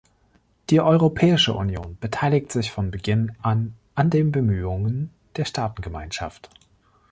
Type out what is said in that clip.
Die Europäische Union beteiligt sich von Beginn an an den Bemühungen der Staatengemeinschaft.